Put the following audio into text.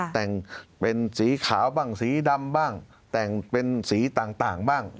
แต่งเป็นสีขาวบ้างสีดำบ้างแต่งเป็นสีต่างบ้าง